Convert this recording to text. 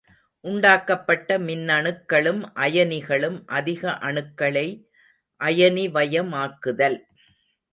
உண்டாக்கப்பட்ட மின்னணுக்களும் அயனிகளும் அதிக அணுக்களை அயனிவயமாக்குதல்.